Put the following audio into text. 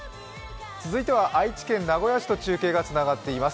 続いては愛知県名古屋市と中継がつながっています。